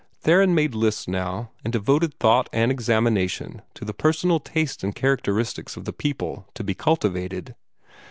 Theron made lists now, and devoted thought and examination to the personal tastes and characteristics of the people to be cultivated.